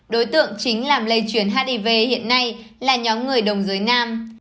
đối tượng chính làm lây chuyển hiv hiện nay là nhóm người đồng giới nam